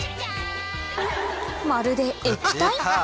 まるで液体？